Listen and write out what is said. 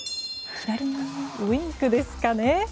ウインクですかね。